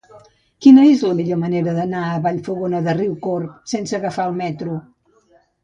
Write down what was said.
Quina és la millor manera d'anar a Vallfogona de Riucorb sense agafar el metro?